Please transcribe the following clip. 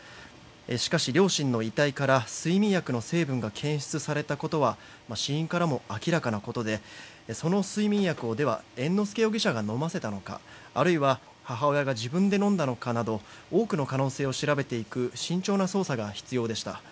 しかし両親の遺体から睡眠薬の成分が検出されたことは死因からも明らかなことでその睡眠薬を猿之助容疑者が飲ませたのかあるいは母親が自分で飲んだのかなど多くの可能性を調べていく慎重な捜査が必要でした。